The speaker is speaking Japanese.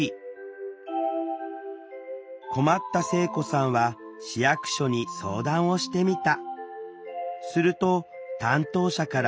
困った聖子さんは市役所に相談をしてみた。